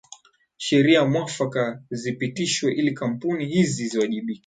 Sheria mwafaka zipitishwe ili kampuni hizi ziwajibike